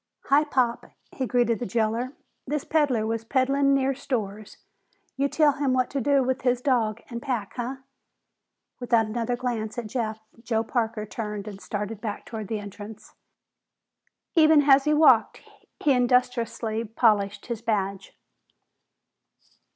"Hi, Pop," he greeted the jailer. "This peddler was peddlin' near stores. You tell him what to do with his dog and pack, huh?" Without another glance at Jeff, Joe Parker turned and started back toward the entrance. Even as he walked, he industriously polished his badge.